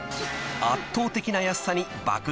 ［圧倒的な安さに］